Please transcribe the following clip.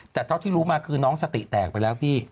แต่เท่าที่รู้มาคือน้องสติแตกไปแล้วพี่